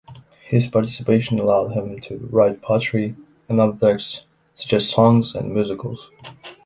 His participation allowed him to write poetry and other texts, such as songs and musicals.